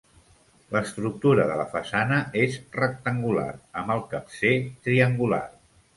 L'estructura de la façana és rectangular amb el capcer triangular.